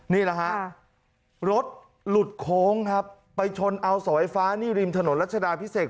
นี่แหละฮะรถหลุดโค้งครับไปชนเอาเสาไฟฟ้านี่ริมถนนรัชดาพิเศษ